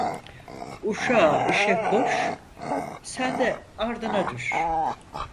Uşağı işe koş, sen de ardına düş.